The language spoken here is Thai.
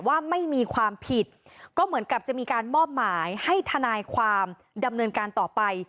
ว่าไม่มีความผิดก็เหมือนกับจะมีการมอบหมายให้ทนายความดำเนินการต่อไป